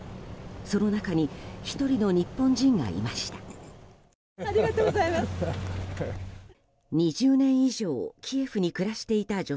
その中に１人の日本人がいました。